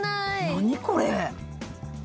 何これ？